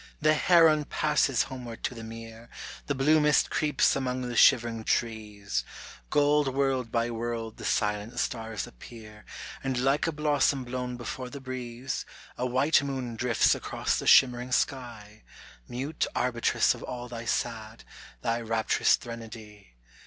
The heron passes homeward to the mere, The blue mist creeps among the shivering trees, Gold world by world the silent stars appear, And like a blossom blown before the breeze, A white moon drifts across the shimmering sky, Mute arbitress of all thy sad, thy rapturous threnody.